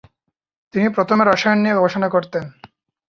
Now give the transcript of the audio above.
তিনি প্রথমে রসায়ন নিয়ে গবেষণা করতেন।